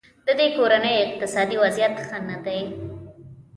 ددې کورنۍ اقتصادي وضیعت ښه نه دی.